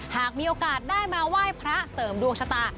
หากมีโอกาสได้มาไหว้พระเสริมดวงชะตา